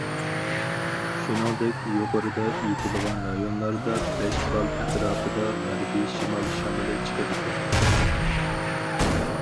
شۇنىڭدەك يۇقىرىدا ئېيتىلغان رايونلاردا بەش بال ئەتراپىدا غەربىي شىمال شامىلى چىقىدىكەن.